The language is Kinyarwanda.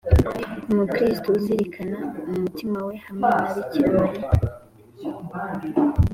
ku mukristu uzirikana mu mutima we, hamwe na bikira mariya